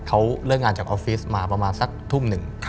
เขาเลิกงานจากออฟฟิศมาประมาณสักทุ่มหนึ่ง